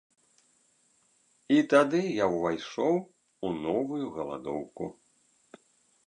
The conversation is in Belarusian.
І тады я ўвайшоў у новую галадоўку.